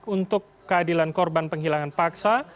untuk keadilan korban penghilangan paksa